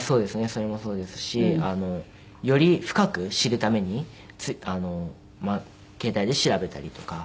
それもそうですしより深く知るために携帯で調べたりとかやっていますね。